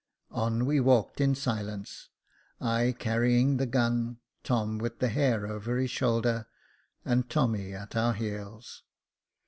On we walked in silence, I carrying the gun, Tom with the hare over his shoulder, and Tommy at our heels.